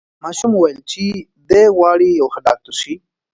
ماشوم وویل چې دی غواړي یو ښه ډاکټر سي.